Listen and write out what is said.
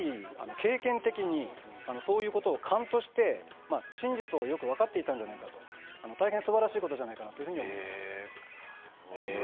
やはり経験的に、そういうことを勘として真実をよく分かっていたんじゃないかと大変すばらしいことじゃないかなと思います。